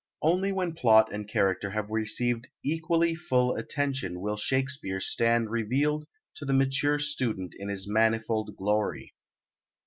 Only when plot and character have received equally full attention will Shakespeare stand revealed to the mature student in his manifold glory.